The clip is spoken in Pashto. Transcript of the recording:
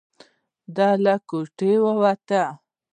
ده له کوټې ووت.